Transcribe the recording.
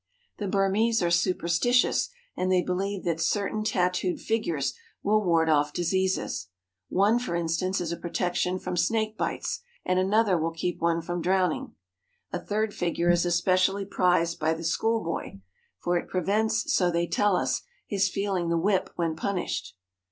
The Burmese are superstitious and they believe that certain tattooed figures will ward off diseases. One, for in stance, is a protection from snake bites, and another will keep one from drowning. A third figure is especially prized by the schoolboy ; for it prevents, so they tell us, his feeling the whip when punished.